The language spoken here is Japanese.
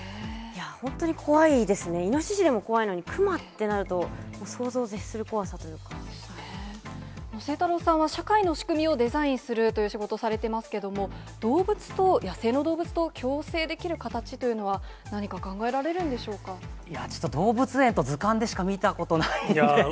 本当に怖いですね、イノシシでも怖いのに、クマってなると、晴太郎さんは、社会の仕組みをデザインするという仕事をされてますけれども、動物と、野生の動物と共生できる形というのは、何か考えられるんでしょういや、ちょっと動物園と図鑑でしか見たことないので。